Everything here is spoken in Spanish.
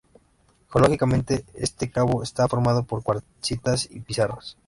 Geológicamente este cabo está formado por cuarcitas y pizarras.